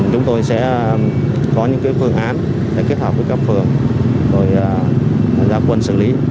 chúng tôi sẽ có những phương án để kết hợp với các phường rồi gia quân xử lý